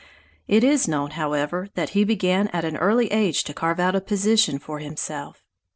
It is known, however, that he began at an early age to carve out a position for himself.